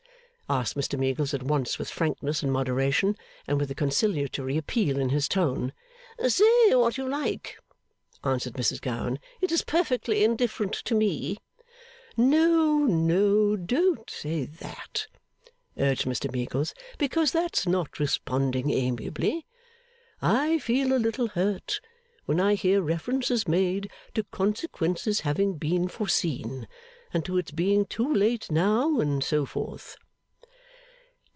asked Mr Meagles at once with frankness and moderation, and with a conciliatory appeal in his tone. 'Say what you like,' answered Mrs Gowan. 'It is perfectly indifferent to me.' 'No, no, don't say that,' urged Mr Meagles, 'because that's not responding amiably. I feel a little hurt when I hear references made to consequences having been foreseen, and to its being too late now, and so forth.